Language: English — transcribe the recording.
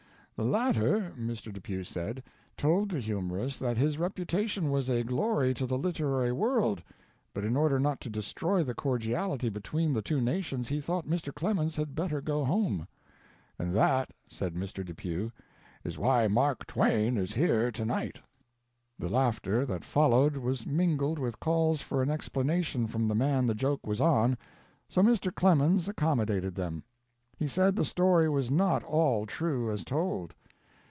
The latter, Mr. Depew said, told the humorist that his reputation was a glory to the literary world, but in order not to destroy the coridality between the two nations he though Mr. Clemens had better go home. "And that," said Mr. Depew, "is why Mark Twain is here tonight." The laughter that followed was mingled with calls for an explanation from the man the joke was on, so Mr. Clemens accommodated them. He said the story was not all true as told.